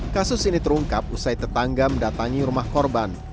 kasus ini terungkap usai tetangga mendatangi rumah korban